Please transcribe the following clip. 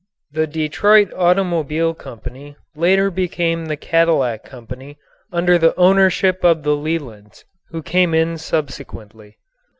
The Detroit Automobile Company later became the Cadillac Company under the ownership of the Lelands, who came in subsequently.